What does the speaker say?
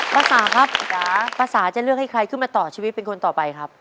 ป้าสาครับป้าสาจะเลือกให้ใครขึ้นมาต่อชีวิตเป็นคนต่อไปครับ